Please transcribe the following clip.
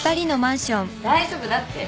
大丈夫だって。